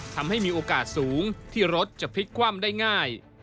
ทำให้มีโอกาสสูงที่รถจะพลิกคว่ำได้ง่าย